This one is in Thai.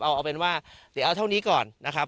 เอาเป็นว่าเดี๋ยวเอาเท่านี้ก่อนนะครับ